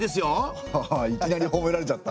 ハハいきなりほめられちゃった。